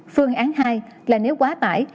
phương án hai là nếu quá tải